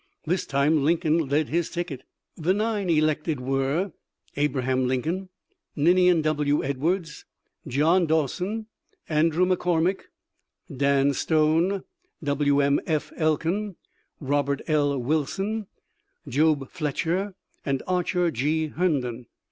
This time Lincoln led his ticket. The nine elected were, Abraham Lincoln, Ninian W. Edwards, John Dawson, Andrew McCormick, Dan Stone, Wm. F. Elkin, Robert L. Wilson, Job Fletcher, and Archer G. Herndon.